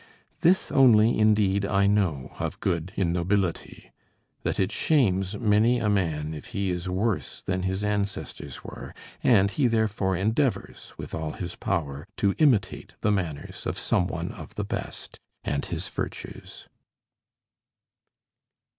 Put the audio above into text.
This only, indeed, I know of good in nobility: that it shames many a man if he is worse than his ancestors were, and he therefore endeavors with all his power to imitate the manners of some one of the best, and his virtues.